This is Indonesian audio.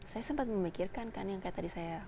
saya sempat memikirkan kan yang kayak tadi saya